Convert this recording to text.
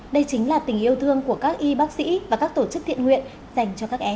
đây chính là tình yêu thương của các y bác sĩ và các tổ chức thiện nguyện dành cho các em